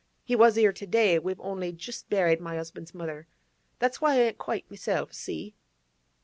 He was 'ere to day; we've only just buried my 'usband's mother. That's why I ain't quite myself—see?